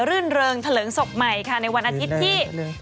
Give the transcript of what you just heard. ื่นเริงทะเลิงศพใหม่ค่ะในวันอาทิตย์ที่